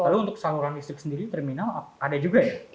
lalu untuk saluran istri sendiri terminal ada juga ya